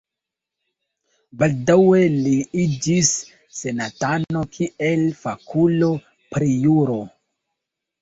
Baldaŭe li iĝis senatano kiel fakulo pri juro.